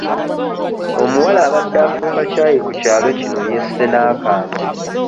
Omuwala abadde afumba ccaayi ku kyalo kino yesse n'akambe